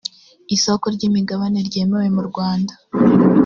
isoko ry’ imigabane ryemewe mu rwanda